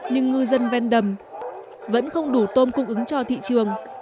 nhưng ngư dân ven đầm vẫn không đủ tôm cung ứng cho thị trường